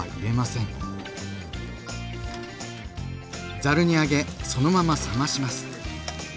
ざるにあげそのまま冷まします。